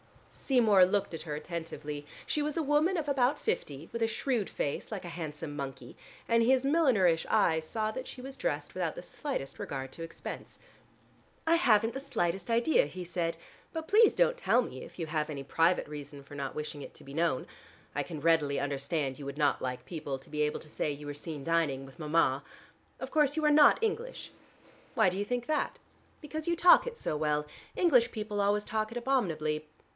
Seymour looked at her attentively. She was a woman of about fifty, with a shrewd face, like a handsome monkey, and his millinerish eyes saw that she was dressed without the slightest regard to expense. "I haven't the slightest idea," he said. "But please don't tell me, if you have any private reason for not wishing it to be known. I can readily understand you would not like people to be able to say that you were seen dining with Mama. Of course you are not English." "Why do you think that?" "Because you talk it so well. English people always talk it abominably.